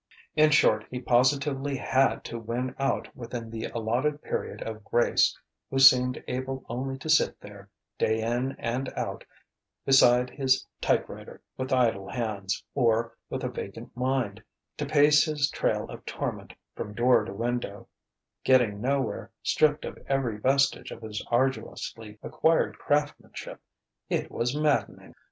In short he positively had to win out within the allotted period of grace, who seemed able only to sit there, day in and out, beside his typewriter, with idle hands, or, with a vacant mind, to pace his trail of torment from door to window: getting nowhere, stripped of every vestige of his arduously acquired craftsmanship.... It was maddening.